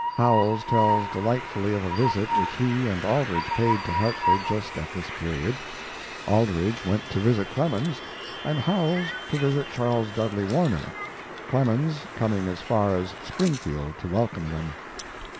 Howells tells delightfully of a visit which he and Aldrich paid to Hartford just at this period. Aldrich went to visit Clemens and Howells to visit Charles Dudley Warner, Clemens coming as far as Springfield to welcome them.